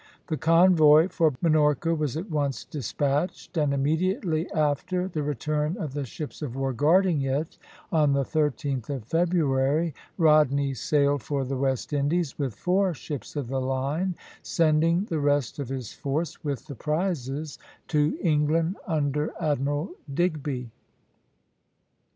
The convoy for Minorca was at once despatched, and immediately after the return of the ships of war guarding it, on the 13th of February, Rodney sailed for the West Indies with four ships of the line, sending the rest of his force, with the prizes, to England under Admiral Digby.